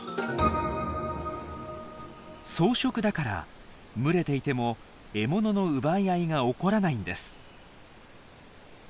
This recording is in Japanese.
草食だから群れていても獲物の奪い合いが起こらないんです。